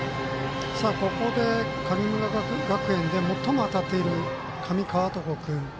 ここで神村学園で最も当たっている上川床君。